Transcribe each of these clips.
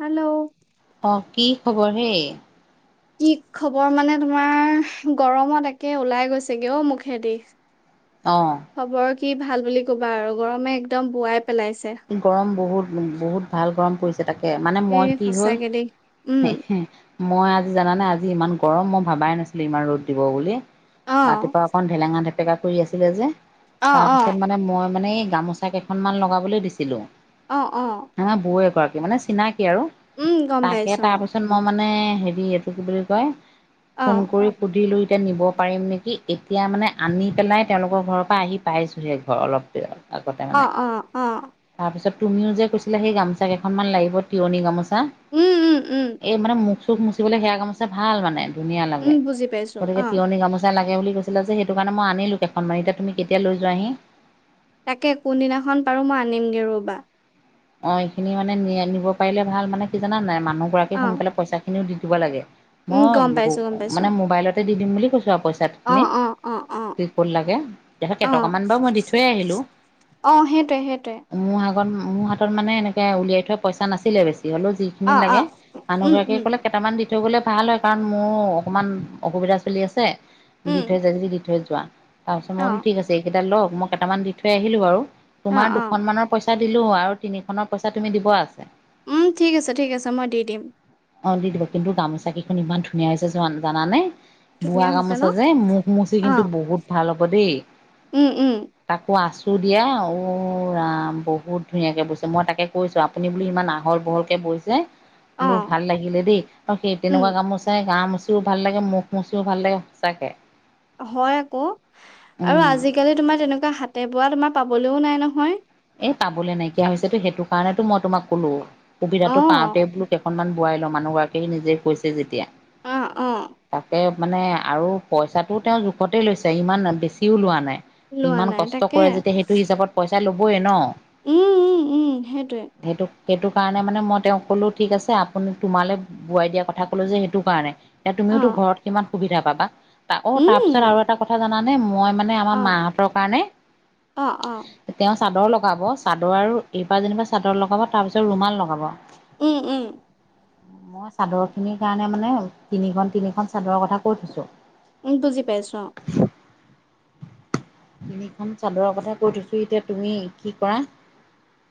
Hello অ কি খবৰ হে কি খবৰ মানে তোমাৰ গৰমত একে ওলাই গৈছেগে অ মুখেদি। অ খবৰ কি ভাল বুলি কবা আৰু গৰমে একদম বোৱাই পেলাইছে গৰম বহুত উম! বহুত ভাল গৰম পৰিছে। তাকে মানে মই এই কি হ'ল সঁচাকে দেই উম মই আজি জানানে আজি। ইমান গৰম মই ভাবাই নাছিলো ইমান ৰ'দ দিব বুলি অ ৰাতিপুৱা অকন ভেলেঙা টেঙা পেগা কৰি আছিলে যে অ তাৰ অ পিছত মানে মই মানে এই গামোচা কেইখনমান লগাবলৈ দিছিলোঁ। অ অ নহয় বৌ এগৰাকী মানে চিনাকি আৰু উম গম তাকে পাইছো তাৰ পিছত মই মানে মানে হেৰি এইটো কি বুলি কয়, অ ফোন কৰি সুধিলো এতিয়া নিব পাৰিম নেকি এতিয়া মানে আনি পেলাই তেওঁলোকৰ ঘৰৰ পৰা আহি পাইছোঁহে ঘৰ অলপ- আগতে অ মানে অ অ, তাৰপিছত তুমিও যে কৈছিলা সেই গামোচা কেইখনমান লাগিব তিয়নি গামোচা, উম উম উম এই মানে মুখ-চোক চোক মুচিবলৈলে সেয়া গামোচা ভাল মানে ধুনীয়া উম লাগে, বুজি পাইছো গতিকে অ তিয়নি গামোচা লাগে। বুলি কৈছিলা যে সেইটো কাৰণে মই আনিলোঁ কেইখনমান এতিয়া তুমি কেতিয়া লৈ যোৱাহি- তাকে কোন দিনাখন পাৰোঁ মই আনিমগে ৰ'বা। অ এইখিনি মানে নি নিব পাৰিলে ভাল মানে কি জানা নাই মানুহ গৰাকী অ সোনকালে পইচা খিনিও দি দিব লাগে, উম মই গম পাইছো গম পাইছো মানে মোবাইলতে দি দিম বুলি কৈছোঁ আৰু অ পইচাখিনি- অ অ অ কি ক'ত লাগে অ কেইটকামান বাৰু মই দি থৈয় আহিলো। সেইটোয়ে - সেইটোয়ে। মানে এনেকে উলিয়াই থোৱা পইচা নাছিলে বেছি হলো যিখিনি অ অ লাগে, মানুহ উম গৰাকীয়ে উম কলে কেইটামান থৈ গলে ভাল হয় কাৰণ মোৰো অকমান অসুবিধা চলি আছে দি উম থৈ যায় যদি দি থৈ যোৱা তাৰ পিছত মই অ বোলো ঠিক আছে এইকেইটা লহ মই কেইটামান দি থৈ আহিলো বাৰু তোমাৰ অ', অ', দুখন মানৰ পইচা পইচা দিলো আৰু তিনিখনৰ পইচা তুমি দিব আছে। উম, ঠিক আছে-ঠিক আছে মই দি দিম। অ, দি দিব কিন্তু গামোচা কেইখন ইমান ধুনীয়া হৈছে জানানে? ধুনীয়া বোৱা হৈছে ন? গামোচা যে মুখ মুচি কিন্তু অ', বহুত ভাল হ'ব দেই। উম - উম। ধুই দিয়া ঔ ৰাম বহুত ধুনীয়াকে বস্তু মই তাকে কৈছো আপুনি বুলো ইমান আহল বহলকে বহিছে। মোক অ', ভাল লাগিলে দেই, আৰু সেই উম, তেনেকুৱা গামোচাই গা মু চিও ভাল লাগে মুখ মচিও ভাল লাগে সচাকে। হয় আকৌ আৰু আজিকালি তোমাৰ তেনেকুৱা হাতে বোৱা তোমাৰ পাবলৈও নাই নহয়। পাবলৈ নাইকিয়া হৈছে তো সেইটো কাৰণেতো মই তোমাক ক'লো, সুবিধাতটো অ', পাওতে বোলো কেইখনমান বোৱাই লও মানুহগৰাকীয়ে আহি নিজেই কৈছে যেতিয়া। অ-অ। তাকে মানে আৰু পইচাটো তেও জোখতে লৈছে ইমান বেছিও লোৱা নাই। লোৱা ইমান নাই কষ্ট তাকে। কৰে যেতিয়া সেইটো হিচাপত পইচা লবয়ে ন? উম - উম - উম সেইটোৱে। সেইটো সেইটো কাৰণে মানে মই তেওক কলো ঠিক আছে আপুনি তোমালৈ বোৱাই দিয়াৰ কথা কলো যে, সেইটো কাৰণে। এতিয়া তুমিওটো অ', ঘৰত কিমান সুবিধা পাবা অ, তাৰ পিছত উম, আৰু এটা কথা জানে মই মানে আমাৰ অ', মাহতৰ কাৰণে অ', অ', তেওঁ চাদৰ লগাব চাদৰ আৰু এইবাৰ যেনিবা চাদৰ লগাব তাৰ পিছত ৰুমাল লগাব। উম - উম। মই চাদৰ খিনিৰ কাৰণে মানে তিনিখন তিনিখন চাদৰৰ কথা কৈ থৈছো। উম, বুজি পাইছো অ তিনিখন চাদৰৰ কথা কৈ থৈছো এতিয়া তুমি কি কৰা?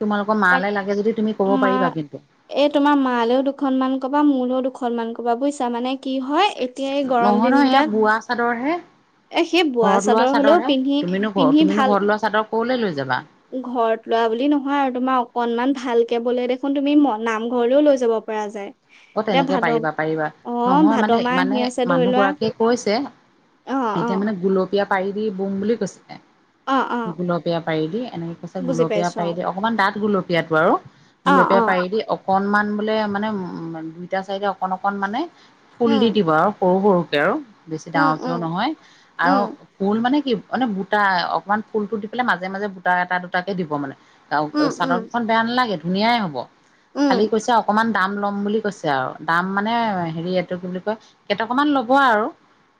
তোমালোকৰ তাক মালৈ লাগে যদি তুমি ক'ব মা পাৰিবা কিন্তু এই তোমাৰ মালেও দুখন মান কবা মোলৈও দুখন মান ক'ব বুজিছা। মানে কি হয় এতিয়া এই গৰম নহয় - নহয় সেয়া দিনকেইটাত বোৱা চাদৰ হে। এ সেই বোৱা ঘৰত লোৱা হলেও চাদৰ হে পিন্ধি তুমিনো ঘ পিন্ধি তুমিনো ভাল ঘৰত লোৱা চাদৰ কলৈ লৈ যাবা? ঘৰত লোৱা বুলি নহয় আৰু তোমাৰ অকনমান ভালকে বোলে দেখোন তুমি নামঘৰলেও লৈ যাব পৰা যায়। অ, এতিয়া তেনেকে ভাদ পাৰিবা - পাৰিবা অ নহয় ভাদ মানে মাহ মানে আহি আছে ধৰি মানুহ লোৱা গৰাকীয়ে কৈছে অ অ এতিয়া মানে গুলপীয়া পাৰি বম বুলি কৈছে। অ অ গুলপীয়া পাৰি দি এনেকে কৈছে বুজি গুলপীয়া পাইছো পাৰি দি অকমান দাঠ গুলপীয়াটো আৰু। অ অ অ গোলপীয়া পাৰি দি অকনমান বোলে মানে উ, দুইটা চাইডে অকন অকণ মানে ফুল দি উম দিব আৰু সৰু - সৰু আৰু বেছি উম ডাঙৰ কিয় উম নহয় আৰু উম ফুল মানে কি মানে বুটা অকমান ফুলটো দি পেলাই মাজে মাজে বুটা এটা দুটাকে দিব মানে। উম চাদৰ উম দুখন বেয়া নালাগে ধুনীয়াই হব উম খালি কৈছে অকমান দাম লম বুলি কৈছে আৰু দাম মানে হেৰি এইটো কি বুলি কয় কেইটকামান ল'ব আৰু।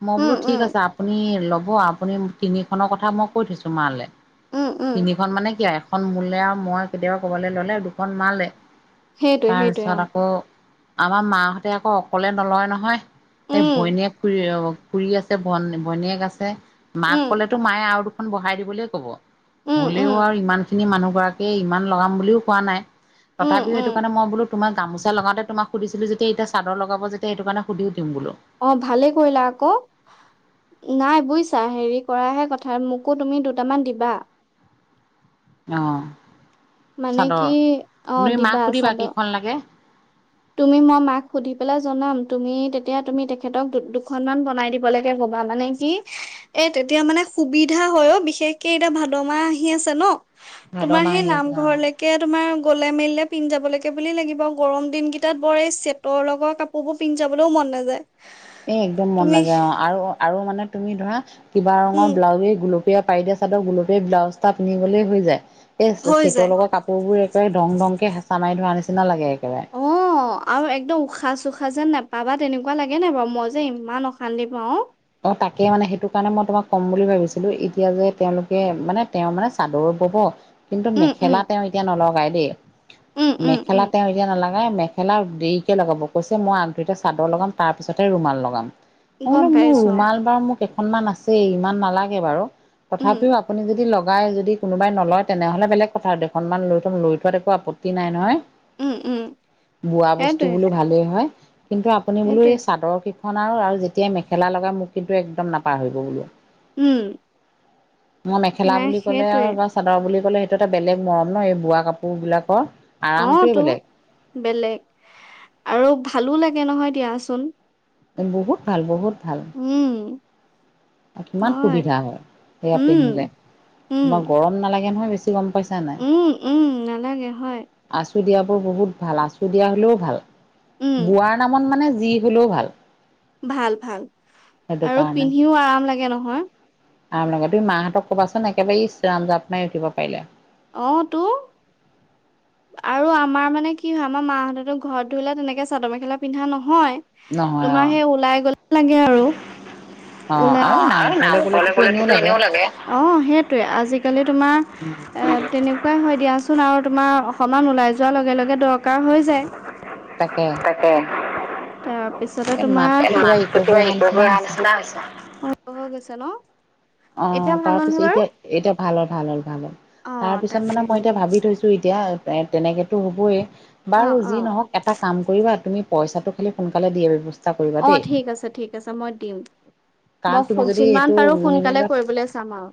মই উম বোলো ঠিক উম আছে, আপুনি ল'ব আপুনি তিনিখনৰ কথা মই কৈ থৈছো মালে। উম উম তিনিখন মানে কি এখন মোলে আৰু মই কেতিয়াবা কবালৈ ললে দুখন মালে। সেইটোৱে সেইটোৱে তাৰপিছত অ আকৌ আমাৰ মাহতে আকৌ অকলে নলয় নহয় এই উম ভনীয়েক খুৰী আছে বন ভনীয়েক আছে মাক উম কলেতো মায়ে আৰু দুখন বঢ়হাই দিবলৈ ক'ব। উম বলেও উম আৰু ইমান খিনি মানুহ গৰাকীয়ে ইমান লগাম বুলিও কোৱা নাই। উম তথাপিও সেইটো উম কাৰণে মই বোলো তোমাৰ গামোচা লগাওঁতে তোমাক সুধিছিলো যেতিয়া এতিয়া চাদৰ লগাব যেতিয়া এইটো কাৰণে সুধিও দিও বোলো। অ ভালে কৰিলা আকৌ নাই বুজিছা হেৰি কৰাহে কথা মোকো তুমি দুটামান দিবা। আহ মানে চাদৰ কি অ তুুমি দিবা মাক সুধিবা চাদৰ কেইখন লাগে। তুমি মই মাক সুধি পেলাই জনাম তুমি তেতিয়া তুমি তেখেতক দুখনমান বনাই দিবলেগে ক কবা মানে কি এ তেতিয়া মানে সুবিধা হয় অ, বিশেষকে এতিয়া ভাদ মাহ আহি আছে ন? ভাদ তোমাৰ মাহ সেই আহি আছে অ নামঘৰলৈকে তোমাৰ গলে মেলিলে পিন্ধি যাবলৈকে বুলি লাগিব গৰম দিন কেই তাত বৰ এই চেটৰ লগৰ কাপোৰ বোৰ পিন্ধি যাবলৈও মন নাযায়। এ একদম মন তুমি নাযায় অ, আৰু আৰু মানে তুমি ধৰা কিবা ৰঙৰ উম ব্লাউজে গুলপীয়া পাৰি দিয়া চাদৰ গুলপীয়া ব্লাউজ এটা পিন্ধি গলেই হৈ যায়। এই হৈ চেটৰ যায় লগা কাপোৰ বোৰ এ দং দমকে হেঁচা মাৰি ধৰা নিচিনা লাগে একেবাৰে। অ আৰু একদম উশাহ চ উশাহ যেন নাপাবা তেনেকুৱা লাগে নাই বাৰু মই যে ইমান অশান্তি পাওঁ। অ তাকে মানে সেইটো কাৰণে মই তোমাক কম বুলি ভাবিছিলো এতিয়া যে তেওঁলোকে মানে তেওঁ মানে চাদৰ ব কিন্তু উম উম মেখেলা তেওঁ এতিয়া নলগাই দেই উম উম মেখেলা উম তেওঁ এতিয়া নালাগা। মেখেলা দেৰিকে লগাব কৈছে মই আগদিনা চাদৰ লগাম তাৰ পিছতে ৰুমাল লগাম। গম পাইছো। অ মোৰ কেইখন মান আছেই ইমান নালাগে বাৰু উম তথাপি আপুনি যদি লগ। লগাই যদি কোনোবাই নলয় তেনেহ'লে বেলেগ কথা দুখনমান লৈ থ'ম লৈ থোৱাত একো আপত্তি নাই নহয়। উম উম বোৱা বস্তু সেইটোৱে বোলো ভালেই হয় কিন্তু আপুনি বোলো সেইটোৱে এই চাদৰ কেইখন আৰু আৰু যেতিয়াাই মেখেলা লগাই মোক কিন্তু একদম নাপাহৰিব বোলো। উম। ম মেখেলা নাই বুলি ক'লে সেইটোৱে আৰু বা চাদৰ বুলি ক'লে সেইটো এটা বেলেগ মৰম ন এই বোৱা কাপোৰ বিলাকৰ। অ আৰামটোৱে তো বেলেগ। বেলেগ আৰু ভালো লাগে নহয় দিয়াচোন। বহুত ভাল বহুত ভাল। উম কিমান হয় সুবিধা হয় সেয়া উম পিন্ধিলে উম তোমাৰ গৰম নালাগে নহয় বেছিকে। গম পাইছা নাই। উম উম নালাগে হয় আচু দিয়াবোৰ বহুত ভাল আচু দিয়া হলেও ভাল উম বোৱাৰ নামত মানে যি হলেও ভাল। ভাল ভাল সেইটো আৰু পিন্ধিও আৰাম লাগে নহয়। আম লগতে মাহঁতক কবাচোন একেবাৰে ইছ ৰাম জাপ মাই উঠিব পাৰিলা। অহ তো। আৰু আমাৰ মানে কি হয় আমাৰ মাহঁততো ঘৰত ধৰিলে তেনেকে চাদৰ মেখেলা পিন্ধা নহয়। হয় নহয় অ তোমাৰ সেই ওলাই গলে লাগে আৰু। অ আৰু নামঘৰলৈ ওলাইলে গ'লেতোতো গলে এনেও লাগে এনে ল অ সেইটোৱে আজিকালি তোমাৰ। উম তেনেকুৱাই হয় দিয়াচোন আৰু তোমাৰ অকমান ওলাই যোৱাৰ লগে লগে দৰকাৰ হৈ যায়। তাকে। তাৰপিছতে এই তোমাৰ মাতটো নি কিবা ইক হৈ অহা নিচিনা হৈছে হৈ গৈছ ন। অ এতিয়া ভাল তাৰ হ'ল নে পিছত বাৰু এতিয়া এতিয়া ভাল হ ভাল হল ভাল হল তাৰ অ', পিছত তাকে মানে মই এতিয়া ভাবি থৈছো এতিয়া এ তেনেকেতো হবই বাৰু অ', অ'। যি নহওক এটা কাম কৰিবা তুমি। পইচাটো খালি সোনকালে দিয়ে ব্যৱস্থা। কৰিবা অ', দেই ঠিক আছে ঠিক আছে মই দিম। কাৰণ তুমি মই যদি যিমান সেইটো পাৰো নিম সোনকালে কৰিবলৈ চাম আৰু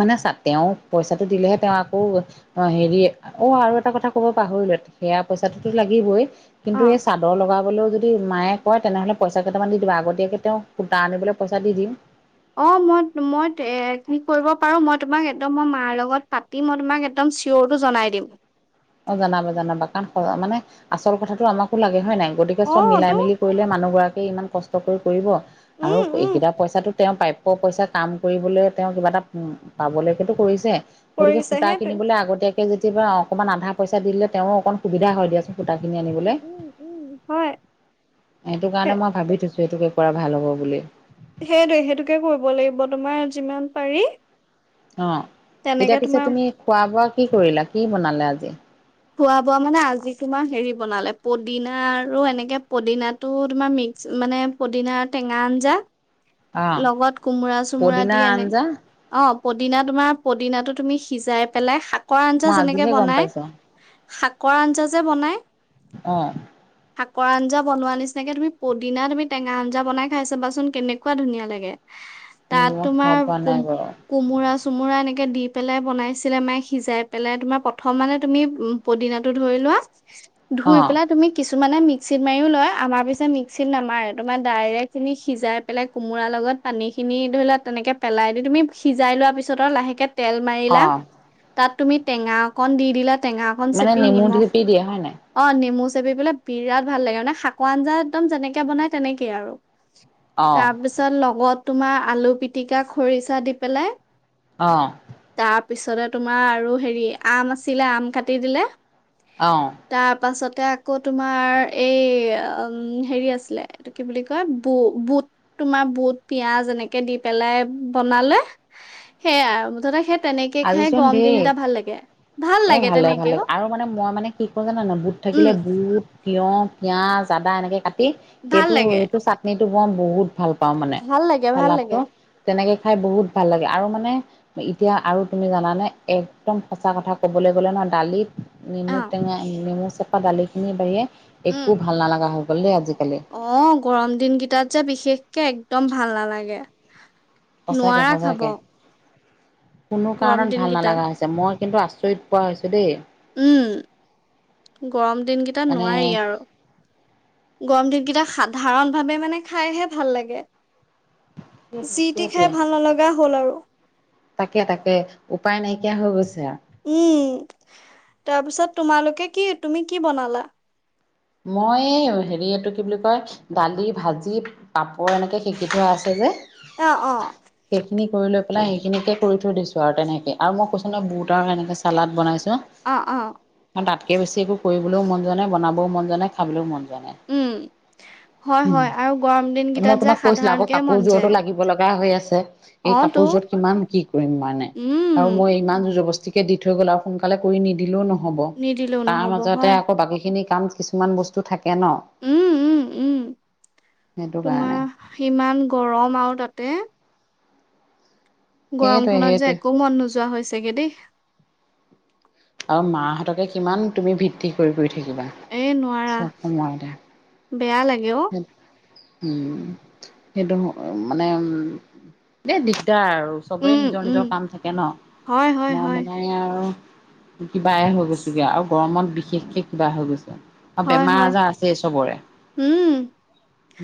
মানে চা তেওঁ পইচাটো দিলেহে তেওঁ আকৌ অ হেৰি অ আৰু এটা কথা কব পাহৰিল সেয়া পইচাটোতো লাগিবই। কিন্তু এই অ'। চাদৰ লগাবলৈও যদি মায়ে কয় তেনেহলে পইচা কেইটামান দিব আগতীয়াকে তেওঁক পূতা আনিবলৈ পইচা। আৰু দি দিম। অ মই মই কি কৰিব পাৰো মই তোমাক একদম মই মাৰ লগত পাতি মই তোমাক একদম। চিয়ৰটো জনাই দিম। অ জাবা জনাবা কাৰণ মানে আচল কথাটো আমাকো লাগে হয় নাই। গতিকে অ চব মিলাই তো মিলি কৰিলে মানুহ গৰাকীয়ে ইমান কষ্ট কৰি কৰিব আৰু উম উম এইকেইটা পইচাটো। তেওঁ প্ৰাপ্য পইচা কাম কৰিবলৈ, তেওঁ কিবা এটা পাবলৈকেতো কৰিছে। গতিকে কৰিছে সূতা সেইটোৱে কিনিবলৈ আগতীয়াকে যেতিয়া অকনমান আধা পইচা দি দিলে, তেওঁৰ অকমান সুবিধা হয় দিয়াচোন। সূতাখিনি উম আনিবলৈ, উম উম হয় সে সেইটোকাৰণে মই ভাবি থৈছোঁ সেইটোকে কৰা ভাল হ'ব বুলি। সেইটোৱে, সেইটোকে কৰিব লাগিব তোমাৰ যিমান পাৰি। অ'। তেনেকে এতিয়া পিছে তোমাৰ তুমি খোৱা-বোৱা কি কৰিলা? কি বনালে আজি? খোৱা-বোৱা মানে, আজি তোমাৰ হেৰি বনালে। পদিনা আৰু এনেকে পদিনাটো তোমাৰ মিক্স মানে পদিনা টেঙা আঞ্জা। অ লগত কোমোৰা-চোমোৰা দি, পদিনাৰ এনে আঞ্জা অ' পদিনা তোমাৰ, পদিনাটো তুমি সিজাই পেলাই শাকৰ আঞ্জা মই যেনেকে আজিহে গম বনায়! পাইছো শাকৰ আঞ্জা যে বনায়! অ'। শাকৰ আঞ্জা বনোৱা নিচিনাকে তুমি পদিনা, তুমি টেঙা আঞ্জা বনাই চাবাচোন। কেনেকুৱা ধুনীয়া লাগে! তাত মই খাই তোমাৰ পোৱা নাই বাৰু কোম-কোমোৰা। চুমোৰা এনেকে দি পেলাই বনাইছিলে মায়ে। সিজাই পেলাই তোমাৰ, প্ৰথম মানে তুমি পদিনাটো ধৰি লো ধুই ল'বা, ধুই অ', পেলাই তুমি কিছু মানে মিক্সিত মাৰিও লয়। আমাৰ পিছে মিক্সিত নামাৰে, তোমাৰ ডাইৰেক্ট তুমি সিজাই পেলাই কোমোৰাৰ লগত পানীখিনি ধৰি লোৱা, তেনেকৈ পেলাই দি, তুমি সিজাই লোৱাৰ পিছত আৰু লাহেকৈ। তেল মাৰিলা। অ', তাত তুমি টেঙা অকণ দি দিলা টেঙা অকণ মানে চেপি নেমু নিমখ, থেপি দিয়ে হয় নাই? অ' নেমু চেপি পেলাই বিৰাট ভাল লাগে মানে! শাকৰ আঞ্জা একদম যেনেকে বনাই তেনেকেইে আৰু। অ', তাৰপিছত লগত তোমাৰ, আলুপিটিকা, খৰিচা দি পেলাই অ'। তাৰ পিছতে তোমাৰ, আৰু হেৰি আম আছিলে, আম কাটি দিলে। অ', তাৰ পাছত। এতিয়া আকৌ তোমাৰ, এই হেৰি আছিলে! এইটো কি বুলি কয় বু-বুট। তোমাৰ বুট পিয়াজ এনেকে দি পেলাই বনালে। সেয়াই আৰু মুঠতে সেই। তেনেকে খাই আজিচোন গৰম দিন ধেই। কেইটা ভাল লাগে ভাল এ লাগে ভালে ভালে। তেনেকেও আৰু মানে মই মানে কি কৰো জানানে বুট থাকিলে উম বুট, তিয়হ, পিয়াঁজ, আদা এনেকে কাটি, ভাল লাগে সেইটো-সেইটো চাটনিটো মই বহুত ভাল পাওঁ মানে! ভাল লাগে ভাল চালাডটো লাগে তেনেকে খাই বহুত ভাল লাগে। আৰু মানে এতিয়া আৰু। তুমি জানানে! একদম সঁচা কথা ক'বলৈ গ'লে নহয়, দালিত অ নেমু টেঙা নেমু চেপি চেপা দালিখিনি বাহিৰে একো উম ভাল নালাগা হৈ গ'ল দেই আজিকালি। অ' গৰম দিনকেইটাত যে বিশেষকে একদম ভাল নালাগে। সঁচাকে নোৱাৰা সঁচাকে। খাব। কোনো গৰম কাৰণত দিন ভাল কেইটাত নালাগা হৈছে। মই কিন্তু আচৰিত পোৱা হৈছো দেই! উম, গৰম দিনকেইটা মানে নোৱাৰি আৰু! গৰম দিনকেইটাত সাধাৰণভাৱে মানে খাইহে ভাল লাগে। যিটি সেইটোৱে খাই ভাল নলগা হ'ল আৰু! তাকে, তাকে উপায় নাইকিয়া হৈ গৈছে। আৰু উম, তাৰপিছত তোমালোকে কি, তুমি কি বনালা? মই এই হেৰি, এইটো কি বুলি কয়, দালি-ভাজি, পাপৰ এনেকে সেকি থোৱা আছে যে, অ', অ', সেইখিনি কৰি লৈ পেলাই সেইখিনিকে কৰি থৈ দিছো আৰু তেনেকে! আৰু মই কৈছো নহয় বুট আৰু এনেক চালাদ বনাইছো। অ', অ', তাতকে বেছি একো কৰিবলৈও মন যোৱা নাই, বনাবও মন যোৱা নাই, খাবলৈও মন যোৱা নাই। উম। হয়, উম, হয় আৰু গৰম মই দিনকেইটাত যে তোমাক কৈছিলো আকৌ সাধাৰণকে মন কাপোৰযোৰতো যায়। লাগিব লগা হৈ আছে। এই অ', তো কাপোৰযোৰত কিমান কি কৰিম মানে! উম, আৰু মই ইমান। কে দি থৈ গ'ল। আৰু সোনকালে কৰি নিদিলেও নহ'ব! নিদিলেও তাৰ নহ'ব মাজতে হয়। আকৌ বাকীখিনি কাম কিছুমান বস্তু থাকে ন? উম, উম, উম, সেইটো কাৰণে তোমাৰ, ইমান গৰম আৰু তাতে! সেইটোৱে গৰমখনত যে, সেইটোৱে একো মন নোযোৱা হৈছেগে দেই। মাহতকে কিমান তুমি ভিত্তি কৰি কৰি উ থিবা এই নোৱাৰা চব সময়তে। বেয়া লাগে অ', উম সেইটো মানে উ এ দিগদাৰ আৰু। আৰু চবেই উম, নিজৰ উম, নিজৰ কাম থাকে ন হয়, হয়, মই হয়। মানে আৰু। কিবাই হৈ গৈছোগে আৰু গৰমত বিশেষকে কিবা হৈ গৈছো। আৰু হয়, বেমাৰ হয়, আজাৰ আছেই চবৰে। উম।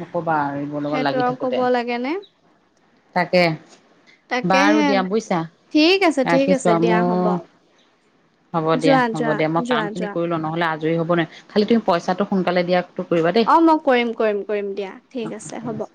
নকবা এইবোৰ লগত সেইটো লাগি আৰু ক'ব থাকোতে লাগে নে তাকে। তাকেহে বাৰু দিয়া বুইছা ঠিক আছে ঠিক ৰাখিছো আছে ৱা দিয়া হ'ব মোক। হ'ব দিয়া যোৱা হ'ব যোৱা দিয়া মই যোৱা কাম খিনি যোৱা কৰি লও নহলে আজৰি হ'ব নোৱাৰি খালি তুমি পইচাটো সোনকালে দিয়া অ, মই কৰিম কৰিম কৰিম দিয়া ঠিক আছে হ'ব।